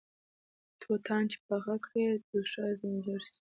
توتان چې پاخه کړې دوښا ځنې جوړه سې